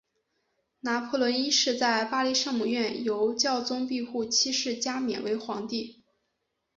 拿破仑一世在巴黎圣母院由教宗庇护七世加冕为皇帝。